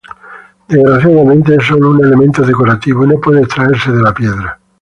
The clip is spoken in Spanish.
Desgraciadamente es sólo un elemento decorativo y no puede extraerse de la piedra.